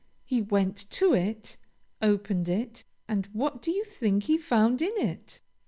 He went to it, opened it, and what do you think he found in it?